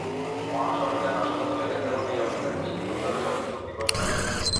মহাসড়কে নাশকতা ঠেকাতে এবং নিরাপত্তা নিশ্চিত করতে এসব চৌকি বসানো হয়েছে।